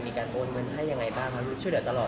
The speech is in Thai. มีการโอนเงินให้ยังไงบ้างมาช่วยเดี๋ยวตลอด